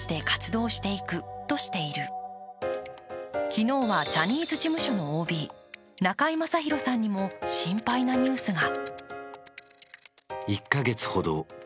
昨日はジャニーズ事務所のＯＢ、中居正広さんにも心配なニュースが。